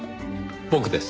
僕です。